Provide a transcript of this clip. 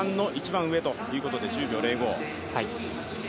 プラス３の一番上ということで１０秒０５。